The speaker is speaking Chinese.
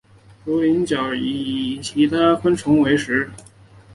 蝶角蛉科成虫以其他昆虫为食。